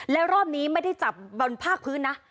แล้วรอบนี้ไม่ได้จับบอลภาคพื้นนะ